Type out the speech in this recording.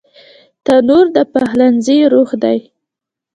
تنور د پخلنځي روح دی